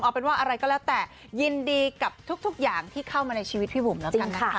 เอาเป็นว่าอะไรก็แล้วแต่ยินดีกับทุกอย่างที่เข้ามาในชีวิตพี่บุ๋มแล้วกันนะคะ